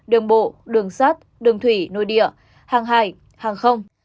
đường bộ đường sát đường thủy nội địa hàng hải hàng không